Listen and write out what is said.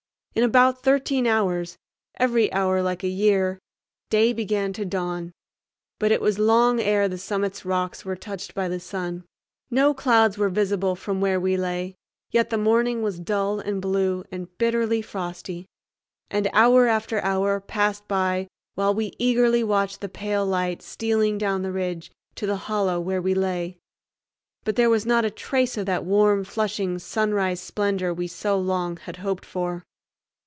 In about thirteen hours—every hour like a year—day began to dawn, but it was long ere the summit's rocks were touched by the sun. No clouds were visible from where we lay, yet the morning was dull and blue, and bitterly frosty; and hour after hour passed by while we eagerly watched the pale light stealing down the ridge to the hollow where we lay. But there was not a trace of that warm, flushing sunrise splendor we so long had hoped for.